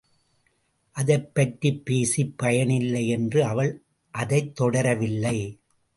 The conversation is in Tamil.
அதைப்பற்றிப் பேசிப் பயனில்லை என்று அவள் அதைத் தொடரவில்லை.